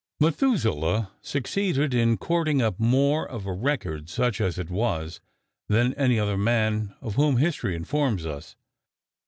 Methuselah succeeded in cording up more of a record such as it was, than any other man of whom history informs us.